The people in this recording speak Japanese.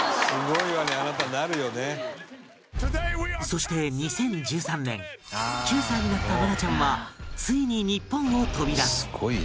そして２０１３年９歳になった愛菜ちゃんはついに日本を飛び出す